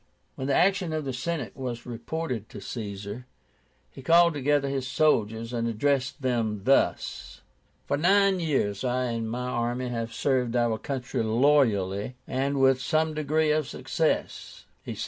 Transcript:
When the action of the Senate was reported to Caesar, he called together his soldiers, and addressed them thus: "For nine years I and my army have served our country loyally and with some degree of success.